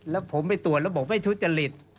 แล้วผมไปตรวจแล้วบอกไม่ทุจริต